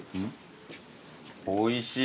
おいしい。